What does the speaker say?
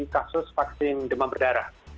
kasus vaksin demam berdarah